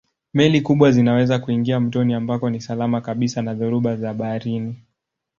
Meli kubwa zinaweza kuingia mtoni ambako ni salama kabisa na dhoruba za baharini.